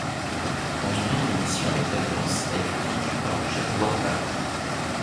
Dans une autre mission avec l'Alliance, elle fut vaincue par le jeune Warpath.